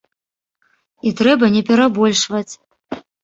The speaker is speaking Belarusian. І трэба не перабольшваць.